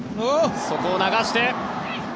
そこを流して。